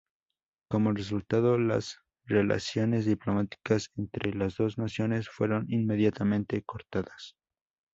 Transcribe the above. Como resultado, las relaciones diplomáticas entre las dos naciones fueron inmediatamente cortadas.